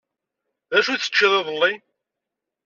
D acu i teččiḍ iḍelli?